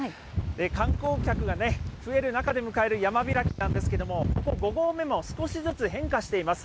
観光客が増える中で迎える山開きなんですけども、ここ５合目も少しずつ変化しています。